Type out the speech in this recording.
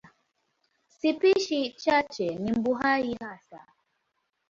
Spishi chache ni mbuai hasa.